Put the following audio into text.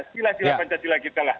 sila sila pancasila kita lah